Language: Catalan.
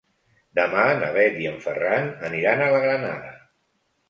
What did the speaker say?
Demà na Bet i en Ferran aniran a la Granada.